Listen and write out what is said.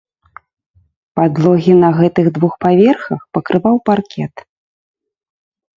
Падлогі на гэтых двух паверхах пакрываў паркет.